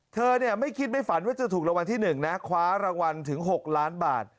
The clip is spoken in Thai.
เธอไม่คิดไม่ฝันว่าจะถูกรางวัลที่๑นะคว้ารางวัลถึง๖ล้านบาท